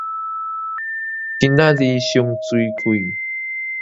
今仔日上媠氣